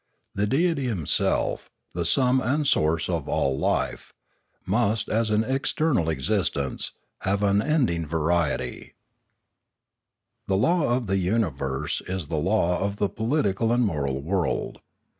The Deity himself, the sum and source of all life, must, as an eternal existence, have unend ing variety. The law of the universe is the law of the political and moral world.